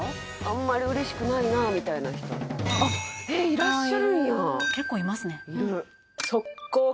あんまり嬉しくないなみたいな人あっへえいらっしゃるんや結構いますね